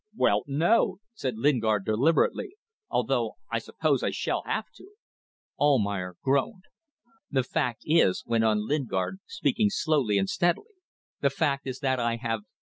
"Well, no!" said Lingard, deliberately. "Although I suppose I shall have to ..." Almayer groaned. "The fact is," went on Lingard, speaking slowly and steadily, "the fact is that I have